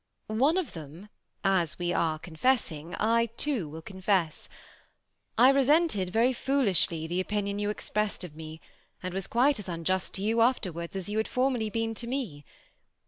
One of them, as we are confessing, I too will confess. I resented, very foolishly, the opinion you expressed of me ; and was quite as unjust to you after wards as you had formerly been to me.